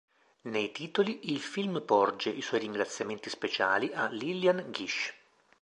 Nei titoli, il film porge i suoi ringraziamenti speciali a Lillian Gish.